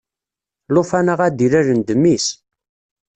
Lufan-a ara d-ilalen d mmi-s.